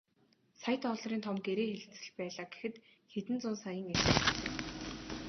Сая долларын том гэрээ хэлцэл байлаа гэхэд хэдэн зуун саяын эрсдэл хүлээнэ.